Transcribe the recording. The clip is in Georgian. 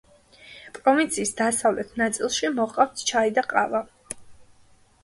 პროვინციის დასავლეთ ნაწილში მოჰყავთ ჩაი და ყავა.